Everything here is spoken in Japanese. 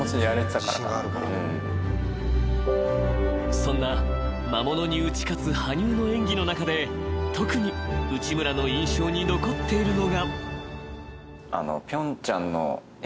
［そんな魔物に打ち勝つ羽生の演技の中で特に内村の印象に残っているのが］